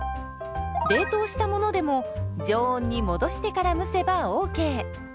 冷凍したものでも常温に戻してから蒸せばＯＫ。